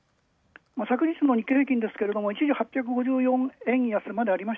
昨日の日経平均ですが一時８５０円安まで。